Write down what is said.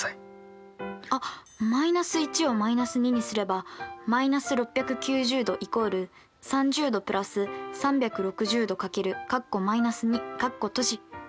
あっ−１を−２にすれば−６９０°＝３０°＋３６０°×と変形できます。